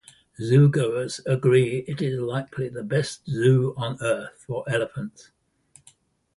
Zoogoers agree that it is likely the best zoo on Earth for elephants.